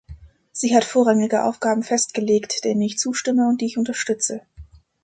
Sie hat vorrangige Aufgaben festgelegt, denen ich zustimme und die ich unterstütze.